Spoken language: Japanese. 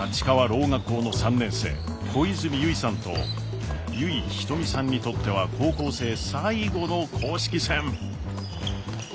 ろう学校の３年生小泉結唯さんと油井瞳珠さんにとっては高校生最後の公式戦。